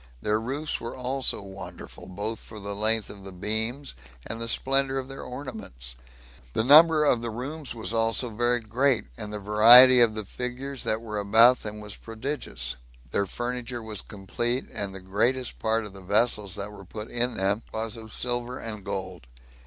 Their roofs were also wonderful, both for the length of the beams, and the splendor of their ornaments. The number of the rooms was also very great, and the variety of the figures that were about them was prodigious; their furniture was complete, and the greatest part of the vessels that were put in them was of silver and gold.